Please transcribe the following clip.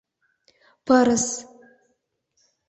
— Пырыс!